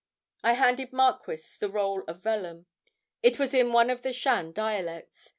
I handed Marquis the roll of vellum. It was in one of the Shan dialects.